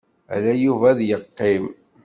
Ala Yuba ay yeqqimen.